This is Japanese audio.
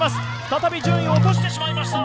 再び順位を落としてしまいました